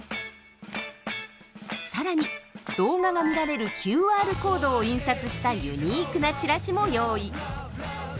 更に動画が見られるＱＲコードを印刷したユニークなチラシも用意。